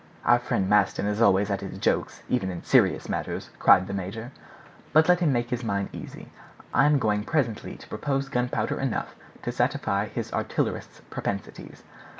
"Our friend Maston is always at his jokes, even in serious matters," cried the major; "but let him make his mind easy, I am going presently to propose gunpowder enough to satisfy his artillerist's propensities.